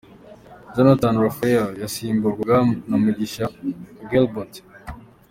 Jonathan Raphael yasimburwaga na Mugisha Gilbert.